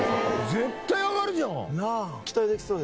絶対上がるじゃん！なあ。